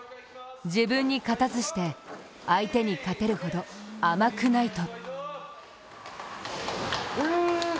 自分に勝たずして相手に勝てるほど甘くないと。